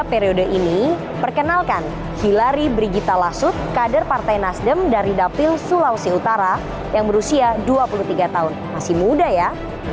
periode ini perkenalkan hilari brigita lasut kader partai nasdem dari dapil sulawesi utara yang berusia dua puluh tiga tahun masih muda ya